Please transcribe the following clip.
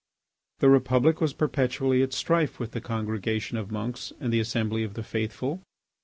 The Republic was perpetually at strife with the congregation of monks and the assembly of the faithful.